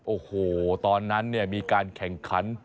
โอ้โหตอนนั้นเนี่ยมีการแข่งขัน